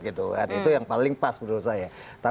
itu yang paling pas menurut saya